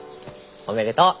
おめでとう。